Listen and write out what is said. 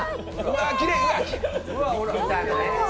うわーきれい。